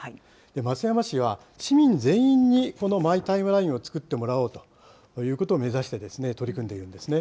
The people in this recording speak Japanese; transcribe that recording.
松山市は市民全員にこのマイ・タイムラインを作ってもらおうということを目指して取り組んでいるんですね。